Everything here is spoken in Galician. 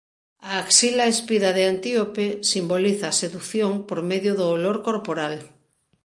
A axila espida de Antíope simboliza a sedución por medio do olor corporal.